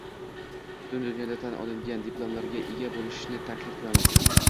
Butun dunyoda tan olingan diplomlarga ega boʻlishni taklif qilamiz.